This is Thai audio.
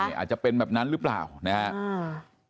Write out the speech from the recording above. อาจจะเป็นแบบนั้นหรือเปล่านะครับ